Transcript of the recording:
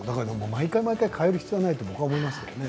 毎回毎回変える必要はないと僕は思いますけどね。